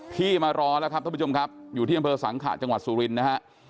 พี่มารอแล้วครับท่านผู้ชมครับอยู่ที่อำเภอสังขะจังหวัดสุรินทร์นะฮะ